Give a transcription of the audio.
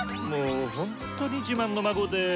⁉もうほんとに自慢の孫で。